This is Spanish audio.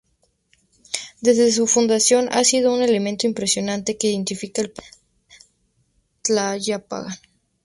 Desde su fundación ha sido un elemento importante que identifica al pueblo de Tlayacapan.